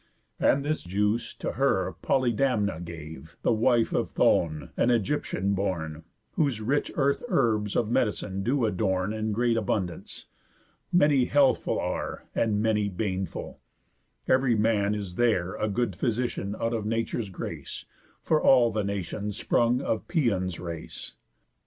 And this juice to her Polydamna gave The wife of Thoon, an Ægyptian born, Whose rich earth herbs of medicine do adorn In great abundance. Many healthful are, And many baneful. Ev'ry man is there A good physician out of Nature's grace, For all the nation sprung of Pæon's race.